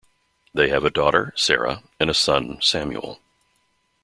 They have a daughter, Sarah, and a son, Samuel.